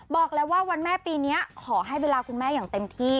บอกเลยว่าวันแม่ปีนี้ขอให้เวลาคุณแม่อย่างเต็มที่